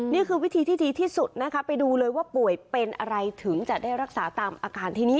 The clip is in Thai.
นี่คือวิธีที่ดีที่สุดนะคะไปดูเลยว่าป่วยเป็นอะไรถึงจะได้รักษาตามอาการที่นี่